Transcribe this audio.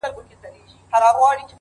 زړه سوي عملونه اوږد مهاله اغېز لري؛